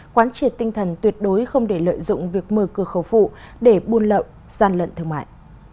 quán triệt tinh thần tuyệt đối không để lợi dụng việc mở cửa khẩu phụ để buôn lậu gian lận thương mại